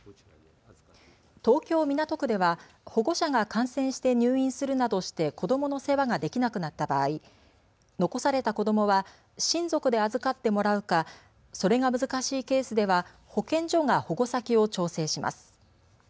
東京港区では保護者が感染して入院するなどして子どもの世話ができなくなった場合残された子どもは親族で預かってもらうかそれが難しいケースでは保健所が保護先を調整します。